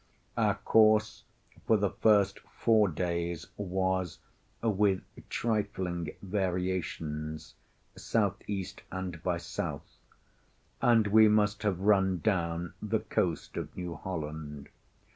Our course for the first four days was, with trifling variations, S.E. and by S.; and we must have run down the coast of New Holland.